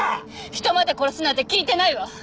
人まで殺すなんて聞いてないわ！